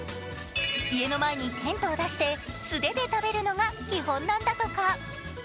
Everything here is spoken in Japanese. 家の前にテントを出して素手で食べるのが基本なんだとか。